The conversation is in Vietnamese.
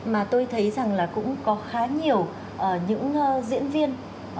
mà tôi thấy rằng là cũng có khá nhiều những diễn viên